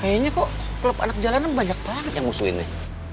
kayaknya kok klub anak jalanan banyak banget yang musuhinnya